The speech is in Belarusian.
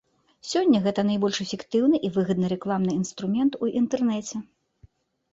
Сёння гэта найбольш эфектыўны і выгадны рэкламны інструмент у інтэрнэце.